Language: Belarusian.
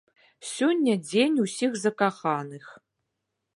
Сёння дзень усіх закаханых.